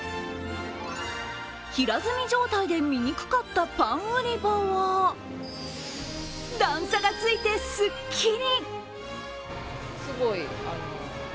平積み状態で見にくかったパン売り場は段差がついてすっきり。